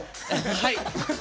はい！